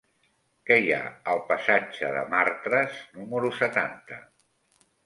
Què hi ha al passatge de Martras número setanta?